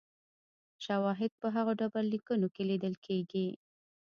شواهد په هغو ډبرلیکونو کې لیدل کېږي